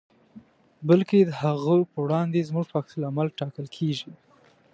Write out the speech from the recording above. بلکې د هغو په وړاندې زموږ په عکس العمل ټاکل کېږي.